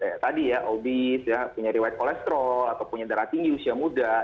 ya tadi ya obese ya punya rewet kolesterol atau punya darah tinggi usia muda